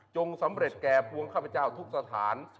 สำเร็จแก่พวงข้าพเจ้าทุกสถาน